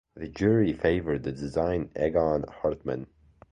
The jury favored the design Egon Hartmann.